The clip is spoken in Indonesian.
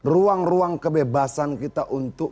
ruang ruang kebebasan kita untuk